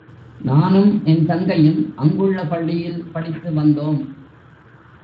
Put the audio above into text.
நானும் என் தங்கையும் அங்குள்ள பள்ளியில் படித்து வந்தோம்.